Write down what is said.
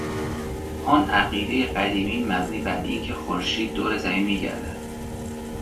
آن عقیدهی قدیمی مبنی براینکه خورشید دور زمین میگردد